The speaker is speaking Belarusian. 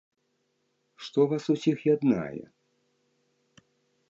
Што вас усіх яднае?